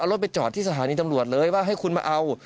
รถไปจอดที่สถานีตำรวจเลยว่าให้คุณมาเอา